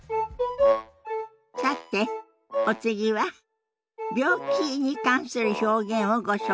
さてお次は病気に関する表現をご紹介します。